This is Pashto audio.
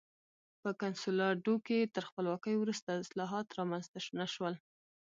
په کنسولاډو کې تر خپلواکۍ وروسته اصلاحات رامنځته نه شول.